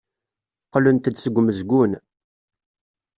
Qqlent-d seg umezgun.